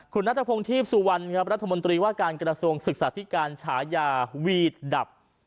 คุณนัทพงศ์ทีพสุวรรณครับรัฐมนตรีว่าการกระทรวงศึกษาธิการฉายาวีดดับ